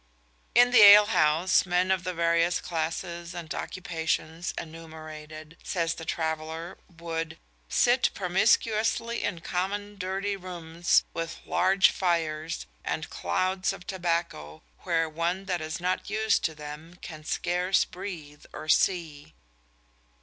In the ale house men of the various classes and occupations enumerated, says the traveller, would "sit promiscuously in common dirty rooms, with large fires, and clouds of tobacco, where one that is not used to them can scarce breathe or see."